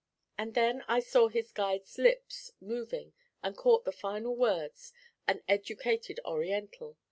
And then I saw his guide's lips moving, and caught the final words, 'an educated Oriental.'